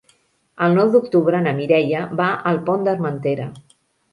El nou d'octubre na Mireia va al Pont d'Armentera.